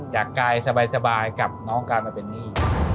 จากกายสบายกับน้องการมาเป็นหนี้